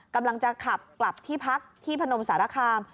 กำลังจะขับกลับที่พักที่พนมสารคาม